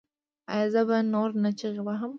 ایا زه به نور نه چیغې وهم؟